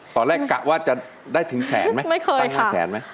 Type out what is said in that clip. ตอนแรกกะว่าจะได้ถึงแสนไหมตั้ง๕แสนไหม